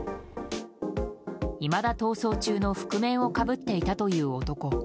いまだ逃走中の覆面をかぶっていたという男。